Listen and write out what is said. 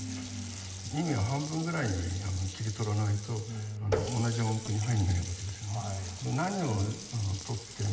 意味を半分ぐらいに切り取らないと同じ音符に入らないわけですよ。